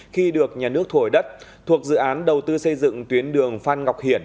khi được nhà nước thổi đất thuộc dự án đầu tư xây dựng tuyến đường phan ngọc hiển